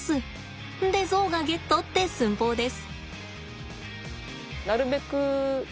でゾウがゲットって寸法です。